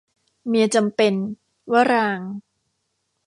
เมียจำเป็น - วรางค์